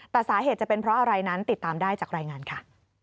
แต่สาเหตุจะเป็นเพราะอะไรนั้นติดตามได้จากรายงานค่ะ